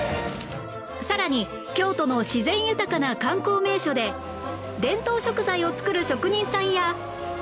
さらに京都の自然豊かな観光名所で伝統食材を作る職人さんや